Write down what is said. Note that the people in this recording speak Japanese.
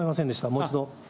もう一度。